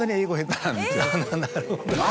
なるほど。